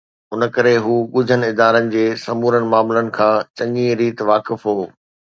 ان ڪري هو ڳجهن ادارن جي سمورن معاملن کان چڱيءَ ريت واقف هو